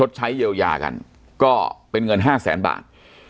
ใช้เยียวยากันก็เป็นเงิน๕แสนบาท